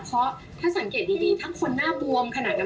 เพราะถ้าสังเกตดีถ้าคนหน้าบวมขนาดนั้น